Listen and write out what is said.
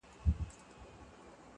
خدايه ما وبخښې په دې کار خجالت کومه,